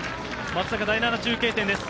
松阪第７中継点です。